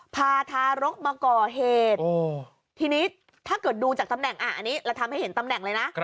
ทาทารกมาก่อเหตุทีนี้ถ้าเกิดดูจากตำแหน่งอันนี้เราทำให้เห็นตำแหน่งเลยนะ